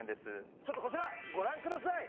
ちょっとこちらごらんください。